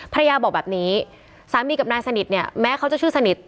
ภรรยาบอกแบบนี้สามีกับนายสนิทเนี่ยแม้เขาจะชื่อสนิท